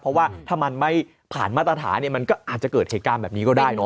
เพราะว่าถ้ามันไม่ผ่านมาตรฐานเนี่ยมันก็อาจจะเกิดเหตุการณ์แบบนี้ก็ได้เนอ